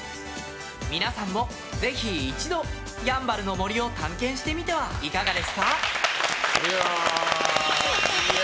皆さんもぜひ一度やんばるの森を探検してみてはいかがですか。